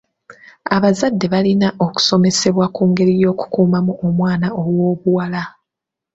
Abazadde balina okusomesebwa ku ngeri y'okukuumamu omwana ow'obuwala.